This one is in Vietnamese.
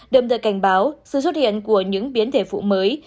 đậm tự cảnh báo sự xuất hiện của những biến thể vụ mới